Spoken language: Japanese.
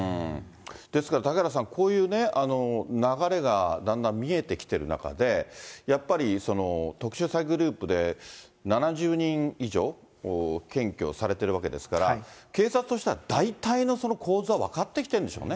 ですから嵩原さん、こういう流れがだんだん見えてきてる中で、やっぱり特殊詐欺グループで７０人以上検挙されてるわけですから、警察としては大体の構図は分かってきてるんでしょうね。